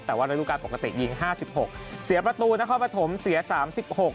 แต่ว่าระดูการปกติยิงห้าสิบหกเสียประตูนครปฐมเสียสามสิบหก